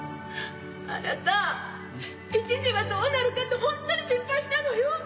あなた一時はどうなるかとほんとに心配したのよ。